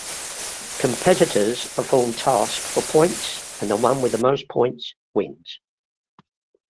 Competitors perform tasks for points and the one with the most points wins.